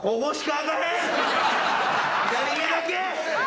左目だけ。